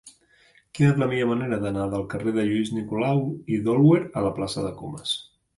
Quina és la millor manera d'anar del carrer de Lluís Nicolau i d'Olwer a la plaça de Comas?